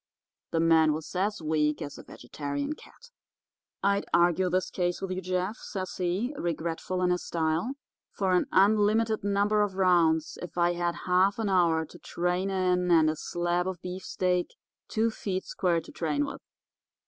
The man was as weak as a vegetarian cat. "'I'd argue this case with you, Jeff,' says he, regretful in his style, 'for an unlimited number of rounds if I had half an hour to train in and a slab of beefsteak two feet square to train with.